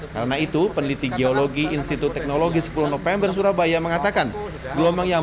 karena itu peneliti geologi institut teknologi sepuluh november surabaya mengatakan gelombang yang